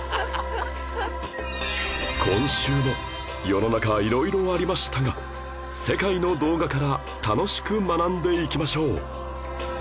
今週も世の中色々ありましたが世界の動画から楽しく学んでいきましょう